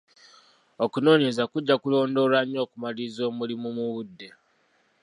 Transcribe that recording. Okunoonyereza kujja kulondoolwa nnyo okumaliriza omulimu bu budde.